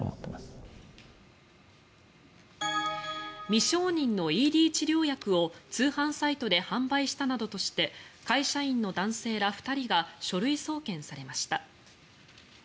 未承認のＥＤ治療薬を通販サイトで販売したなどとして会社員の男性ら２人が書類送検されました。